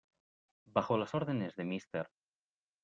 Bajo las órdenes de Mr.